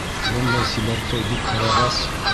Бындай сибәркәй бик һорағас...